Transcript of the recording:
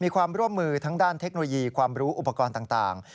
ก็มือทั้งด้านเทคโนโลยีความรู้อุปกรณ์ต่าง